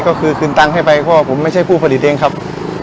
ก็คือคืนตังค์ให้ไปเพราะผมไม่ใช่ผู้ผลิตเองครับ